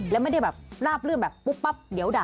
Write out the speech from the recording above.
แล้วไม่ได้ราบลื่นแบบปุ๊บเหลวนะ